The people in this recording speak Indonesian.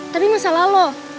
tapi masalah lo